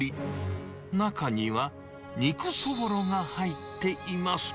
中には、肉そぼろが入っています。